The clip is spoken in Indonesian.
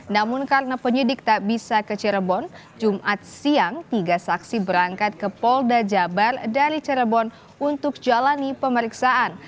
namun karena penyidik tak bisa ke cirebon jumat siang tiga saksi berangkat ke polda jabar dari cirebon untuk jalani pemeriksaan